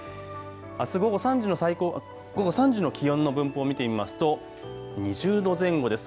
あす午後３時の気温の分布を見てみますと２０度前後です。